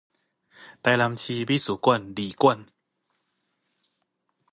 臺南市美術館二館